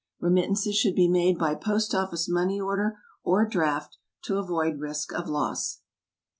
Remittances should be made by POST OFFICE MONEY ORDER or DRAFT, to avoid risk of loss.